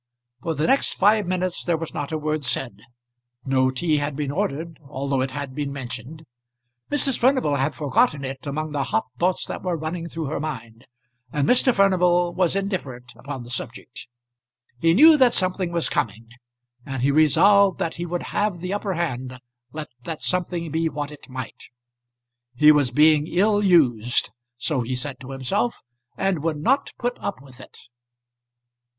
For the next five minutes there was not a word said. No tea had been ordered, although it had been mentioned. Mrs. Furnival had forgotten it among the hot thoughts that were running through her mind, and Mr. Furnival was indifferent upon the subject. He knew that something was coming, and he resolved that he would have the upper hand let that something be what it might. He was being ill used, so he said to himself and would not put up with it.